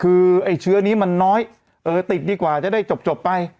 คือไอ้เชื้อนี้มันน้อยเออติดดีกว่าจะได้จบไป